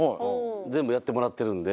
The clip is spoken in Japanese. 全部やってもらってるんで。